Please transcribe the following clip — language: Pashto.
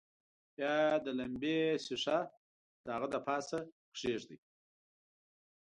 بیا د لمپې ښيښه د هغه د پاسه کیږدئ.